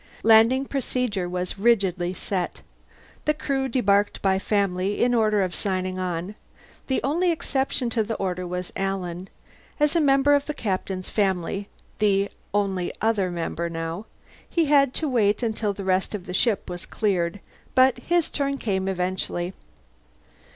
Landing procedure was rigidly set. The Crew debarked by family, in order of signing on; the only exception to the order was Alan. As a member of the Captain's family the only other member, now he had to wait till the rest of the ship was cleared. But his turn came eventually.